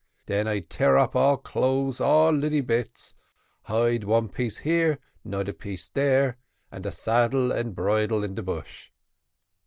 Den I tear up all clothes all in lilly bits, hide one piece here, noder piece dere, and de saddle and bridle in de bush.